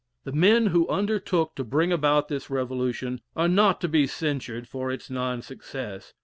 The men who undertook to bring about this Revolution are not to be censured for its non success.